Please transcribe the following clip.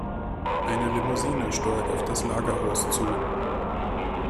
Eine Limousine steuert auf das Lagerhaus zu.